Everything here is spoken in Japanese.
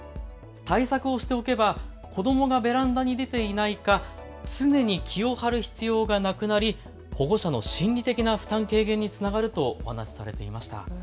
対策をしておけば子どもがベランダに出ていないか常に気を張る必要がなくなり保護者の心理的な負担軽減にもつながるとお話しされていました。